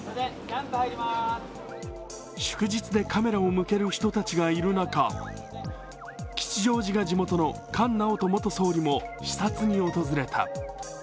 祝日でカメラを向ける人たちがいる中、吉祥寺が地元の菅直人元総理も視察に訪れた。